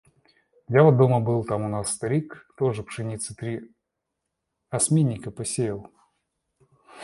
Я вот дома был, там у нас старик тоже пшеницы три осминника посеял.